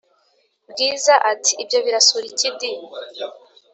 Bwiza ati"ibyo birasura iki di!